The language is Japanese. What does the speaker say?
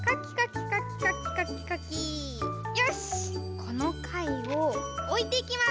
このかいをおいていきます！